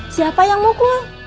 siapa yang mukul